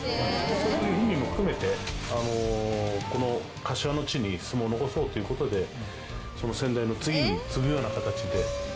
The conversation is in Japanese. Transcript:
そういう意味も含めてこの柏の地に相撲を残そうという事でその先代の次に継ぐような形で。